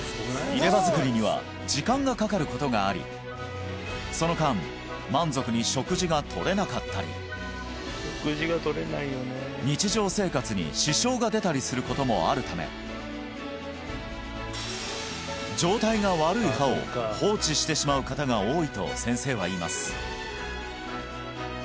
入れ歯作りには時間がかかることがありその間満足に食事が取れなかったり日常生活に支障が出たりすることもあるためしてしまう方が多いと先生は言います